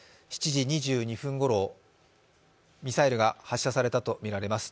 ７時２２分ごろ、ミサイルが発射されたとみられます。